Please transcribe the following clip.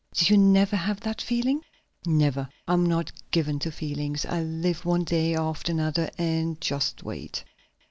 Did you never have that feeling?" "Never. I'm not given to feelings. I live one day after another and just wait."